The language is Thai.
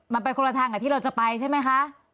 มันไปคนละทางกับที่เราจะไปใช่ไหมคะ